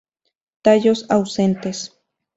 Tallos ausentes.